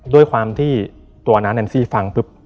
ด้วยความที่ตัวน้าแอนซี่ฟังปุ๊บ